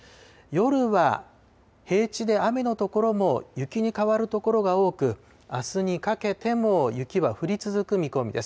夜は平地で雨の所も雪に変わる所が多く、あすにかけても雪は降り続く見込みです。